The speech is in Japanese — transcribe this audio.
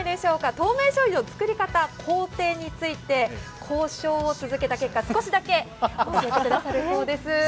透明醤油の作り方、工程について交渉を続けた結果、少しだけ教えてくださるそうです。